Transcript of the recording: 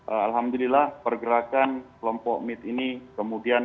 alhamdulillah pergerakan kelompok mit ini kemudian